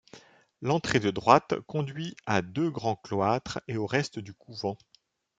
L'entrée de droite conduit à deux grands cloîtres et au reste du couvent.